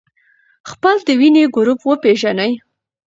خپل د وینې ګروپ وپېژنئ.